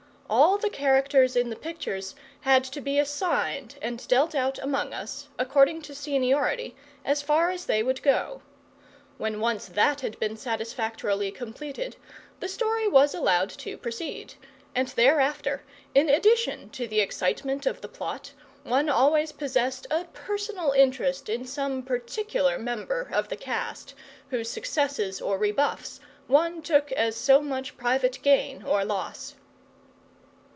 All the characters in the pictures had to be assigned and dealt out among us, according to seniority, as far as they would go. When once that had been satisfactorily completed, the story was allowed to proceed; and thereafter, in addition to the excitement of the plot, one always possessed a personal interest in some particular member of the cast, whose successes or rebuffs one took as so much private gain or loss.